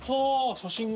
写真が。